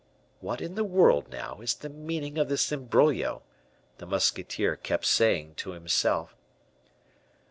"What in the world, now, is the meaning of this imbroglio?" the musketeer kept saying to himself.